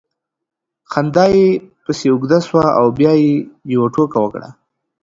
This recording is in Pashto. خندا یې پسې اوږده سوه او بیا یې یوه ټوکه وکړه